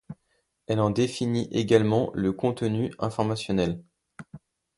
Elle en définit également le contenu informationnel.